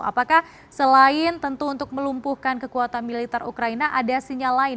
apakah selain tentu untuk melumpuhkan kekuatan militer ukraina ada sinyal lain